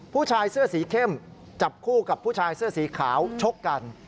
ผู้ชายเสื้อสีเข้มจับคู่กับผู้ชายเสื้อสีขาวชกกัน